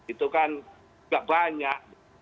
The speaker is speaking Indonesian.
itu kan tidak banyak